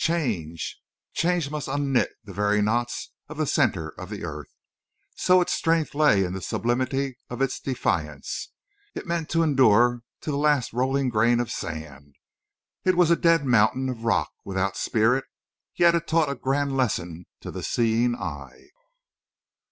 Change! Change must unknit the very knots of the center of the earth. So its strength lay in the sublimity of its defiance. It meant to endure to the last rolling grain of sand. It was a dead mountain of rock, without spirit, yet it taught a grand lesson to the seeing eye.